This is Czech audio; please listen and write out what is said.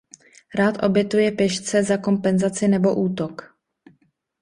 Rád obětuje pěšce za kompenzaci nebo útok.